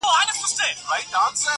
د غنمو لار د ژرندي تر خولې ده.